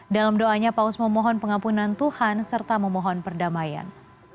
dalam doanya paus memohon pengampunan tuhan serta memohon perdamaian